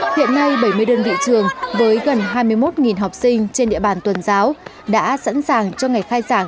hiện nay bảy mươi đơn vị trường với gần hai mươi một học sinh trên địa bàn tuần giáo đã sẵn sàng cho ngày khai giảng